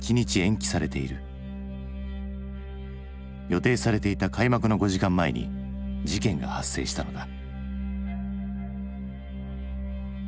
予定されていた開幕の５時間前に事件が発生したのだ。